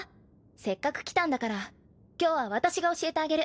せっかく来たんだから今日は私が教えてあげる。